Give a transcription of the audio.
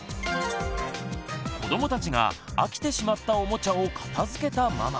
子どもたちが飽きてしまったおもちゃを片づけたママ。